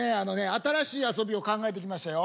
新しい遊びを考えてきましたよ。